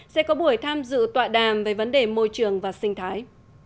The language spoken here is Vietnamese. sẽ có buổi tham dự tọa đàm về vấn đề môi trường và sinh thái